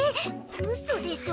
⁉うそでしょ！